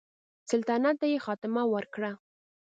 سلطنت ته یې خاتمه ورکړه.